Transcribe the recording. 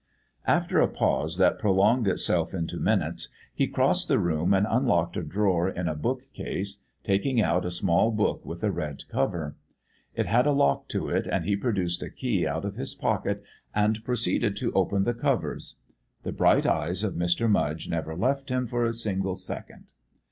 After a pause that prolonged itself into minutes, he crossed the room and unlocked a drawer in a bookcase, taking out a small book with a red cover. It had a lock to it, and he produced a key out of his pocket and proceeded to open the covers. The bright eyes of Mr. Mudge never left him for a single second.